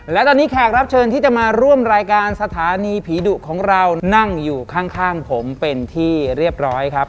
และตอนนี้แขกรับเชิญที่จะมาร่วมรายการสถานีผีดุของเรานั่งอยู่ข้างผมเป็นที่เรียบร้อยครับ